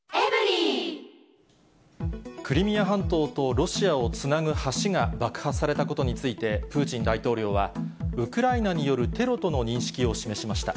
クリミア半島とロシアをつなぐ橋が爆破されたことについてプーチン大統領は、ウクライナによるテロとの認識を示しました。